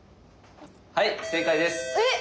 はい正解です！